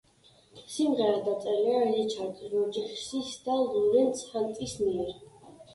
სიმღერა დაწერილია რიჩარდ როჯერსის და ლორენს ჰანტის მიერ.